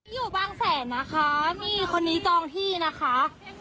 อยู่บางแสนนะคะนี่คนนี้จองที่นะคะ